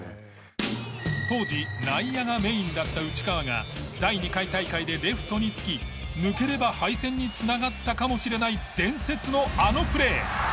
当時内野がメインだった内川が第２回大会でレフトにつき抜ければ敗戦につながったかもしれない伝説のあのプレー。